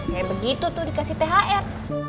kayak begitu tuh dikasih thr